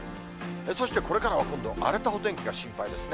そしてこれからは今度、荒れたお天気が心配ですね。